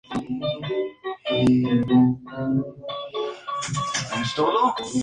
Hizo casi todo solo: el guion, la animación, las copias, el fondo.